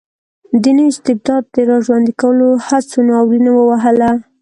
د نوي استبداد د را ژوندي کولو هڅو ناورین ووهله.